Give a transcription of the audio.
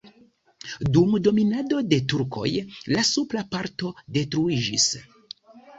Dum dominado de turkoj la supra parto detruiĝis.